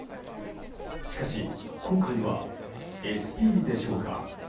しかし、今回はＳＰでしょうか。